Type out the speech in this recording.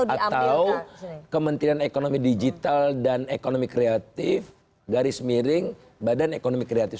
atau kementerian ekonomi digital dan ekonomi kreatif garis miring badan ekonomi kreatif